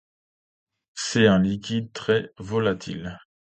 C'est un liquide très volatil.